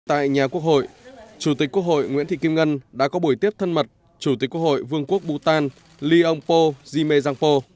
tại nhà quốc hội chủ tịch quốc hội nguyễn thị kim ngân đã có buổi tiếp thân mật chủ tịch quốc hội vương quốc bù tàn ly âm pô di mê giang pô